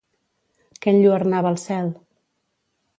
Què enlluernava el cel?